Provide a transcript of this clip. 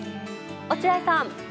落合さん。